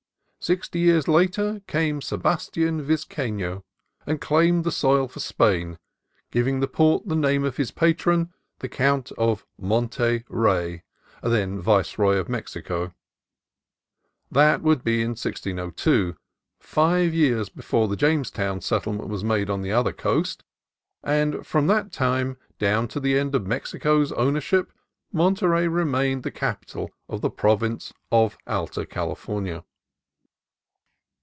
Sixty years later came Sebastian Vizcaino, and claimed the soil for Spain, giving the port the name of his patron, the Count of Monte Rey, then Viceroy of Mexico. That would be in 1602, five years before the James town settlement was made on the other coast; and from that time down to the end of Mexico's owner ship, Monterey remained the capital of the province of Alta California.